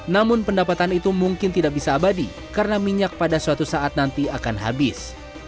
namun pendapatan itu mungkin tidak bisa abadi karena minyak pada suatu saat nanti akan habis